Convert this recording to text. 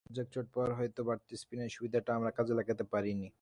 রাজ্জাক চোট পাওয়ায় হয়তো বাড়তি স্পিনারের সুবিধাটা আমরা কাজে লাগাতে পারিনি।